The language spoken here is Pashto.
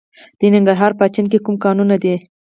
د ننګرهار په اچین کې کوم کانونه دي؟